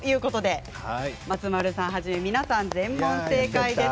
松丸さんはじめ皆さん全問正解です。